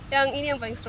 yang ini yang paling seru